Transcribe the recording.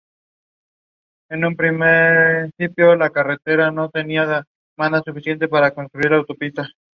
En la versión española, los comentarios son de Manolo Lama y Paco González.